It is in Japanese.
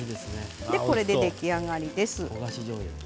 これで出来上がりです。